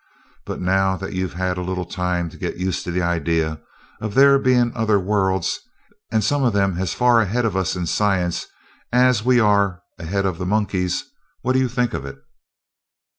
But now that you've had a little time to get used to the idea of there being other worlds, and some of them as far ahead of us in science as we are ahead of the monkeys, what do you think of it?"